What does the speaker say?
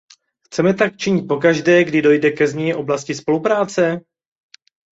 Chceme tak činit pokaždé, kdy dojde ke změně oblasti spolupráce?